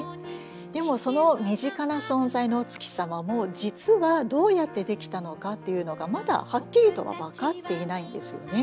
でもその身近な存在のお月様も実はどうやってできたのかっていうのがまだはっきりとは分かっていないんですよね。